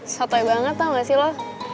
satoi banget tau gak sih lo